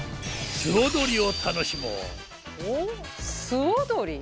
素踊り。